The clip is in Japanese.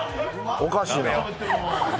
おかしいな。